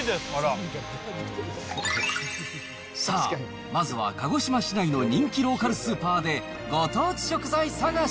さあ、まずは鹿児島市内の人気ローカルスーパーで、ご当地食材探し。